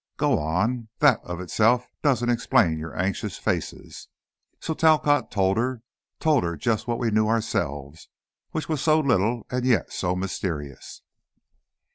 "Go on. That of itself doesn't explain your anxious faces." So Talcott told her, told her just what we knew ourselves, which was so little and yet so mysterious.